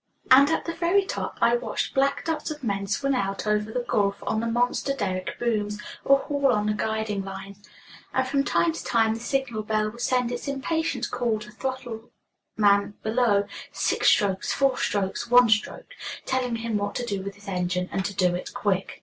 And at the very top I watched black dots of men swing out over the gulf on the monster derrick booms, or haul on the guiding lines. And from time to time the signal bell would send its impatient call to the throttle man below, six strokes, four strokes, one stroke, telling him what to do with his engine, and to do it quick.